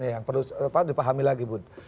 yang perlu dipahami lagi bu